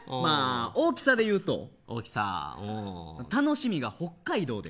大きさで言うと楽しみが北海道で。